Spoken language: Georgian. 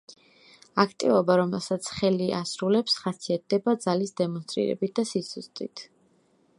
აქტივობა, რომელსაც ხელი ასრულებს, ხასიათდება ძალის დემონსტრირებით და სიზუსტით.